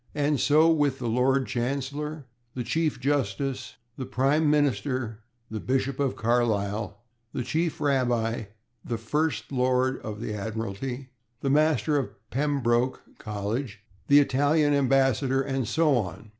And so with the Lord Chancellor, the Chief Justice, the Prime Minister, the Bishop of Carlisle, the Chief Rabbi, the First Lord (of the Admiralty), the Master of Pembroke (College), the Italian Ambassador, and so on.